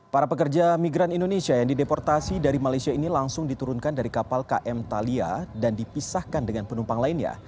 para pekerja migran indonesia yang dideportasi dari malaysia ini langsung diturunkan dari kapal km thalia dan dipisahkan dengan penumpang lainnya